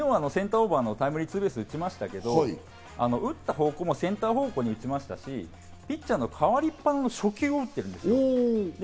昨日はセンターオーバーのタイムリーツーベースを打ちましたけど、打った方向もセンター方向に打ちましたし、ピッチャーの代わりっぱなの初球を打っている。